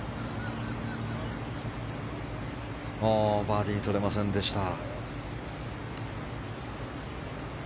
バーディー取れませんでした。